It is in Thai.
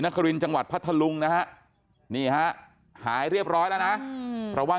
ครินจังหวัดพัทธลุงนะฮะนี่ฮะหายเรียบร้อยแล้วนะเพราะว่า